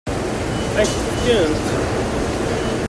Ad k-t-fkent?